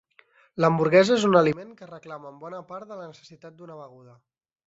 L'hamburguesa és un aliment que reclama en bona part de la necessitat d'una beguda.